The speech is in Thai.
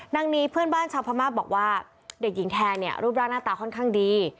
นางนีเพื่อนบ้านชาวพม่าบอกว่าเด็กหญิงแทนเนี่ยรูปร่างหน้าตาค่อนข้างดี